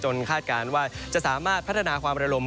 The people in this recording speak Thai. คาดการณ์ว่าจะสามารถพัฒนาความระลม